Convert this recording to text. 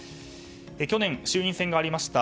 去年、衆院選がありました